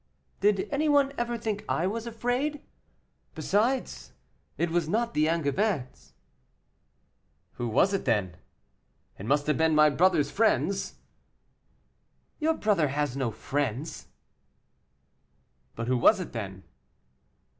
"Did any one ever think I was afraid? Besides, it was not the Angevins." "Who was it then? it must have been my brother's friends." "Your brother has no friends." "But who was it then?"